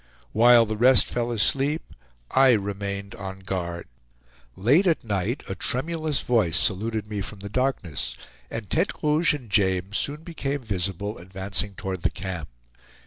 While the rest fell asleep I remained on guard. Late at night a tremulous voice saluted me from the darkness, and Tete Rouge and James soon became visible, advancing toward the camp.